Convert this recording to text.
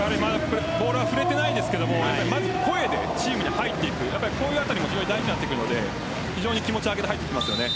ボールは触れていないんですがまず声でチームに入っていくあたりも大事になってくるので気持ちを上げて入ってきますよね。